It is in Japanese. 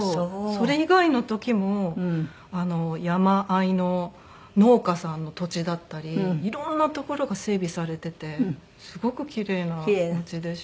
それ以外の時も山あいの農家さんの土地だったり色んな所が整備されていてすごく奇麗な街でした。